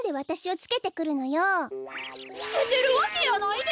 つけてるわけやないで！